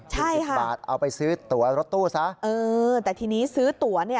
สิบสิบบาทเอาไปซื้อตัวรถตู้ซะเออแต่ทีนี้ซื้อตัวเนี้ย